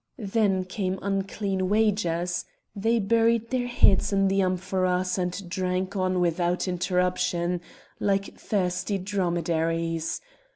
Then came unclean wagers; they buried their heads in the amphoras and drank on without interruption, like thirsty dromedaries.